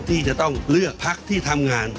ที่จะต้องเลือกพักที่ทำงาน